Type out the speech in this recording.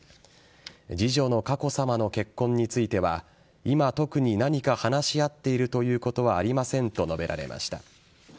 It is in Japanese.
次女の佳子さまの結婚については今、特に何か話し合っているということはありませんと述べられました。